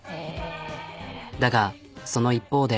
だがその一方で。